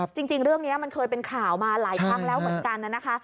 จริงเรื่องนี้มันเคยเป็นข่าวมาหลายครั้งแล้วเหมือนกันนะคะ